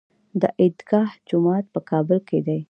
د عیدګاه جومات په کابل کې دی